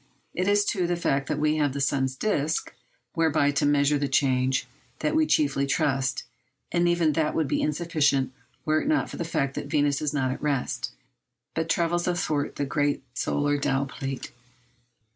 It is to the fact that we have the sun's disc, whereby to measure the change, that we chiefly trust; and even that would be insufficient were it not for the fact that Venus is not at rest, but travels athwart the great solar dial plate.